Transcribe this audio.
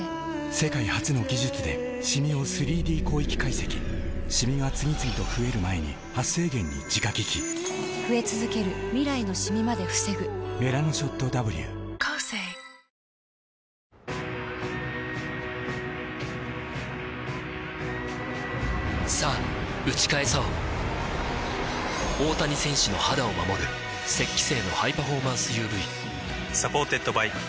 世界初の技術でシミを ３Ｄ 広域解析シミが次々と増える前に「メラノショット Ｗ」さぁ打ち返そう大谷選手の肌を守る「雪肌精」のハイパフォーマンス ＵＶサポーテッドバイコーセー